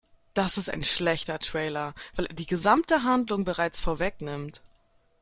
Das ist ein schlechter Trailer, weil er die gesamte Handlung bereits vorwegnimmt.